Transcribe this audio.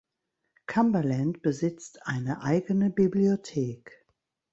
Cumberland besitzt eine eigene Bibliothek.